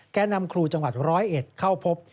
แก่นำครูจังหวัด๑๐๑เข้าพบ